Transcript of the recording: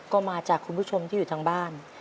ก็มาจากคุณผู้ชมที่อยู่ทางบ้าน